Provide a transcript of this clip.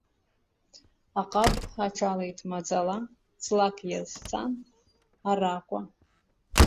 Аҟаб аҿалеит маӡала, ҵлак иазцан аракәа.